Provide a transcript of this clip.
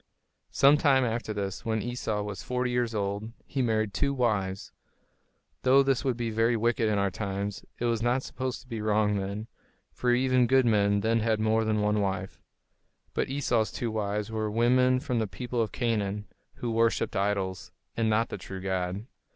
Some time after this, when Esau was forty years old, he married two wives. Though this would be very wicked in our times, it was not supposed to be wrong then; for even good men then had more than one wife. But Esau's two wives were women from the people of Canaan, who worshipped idols, and not the true God.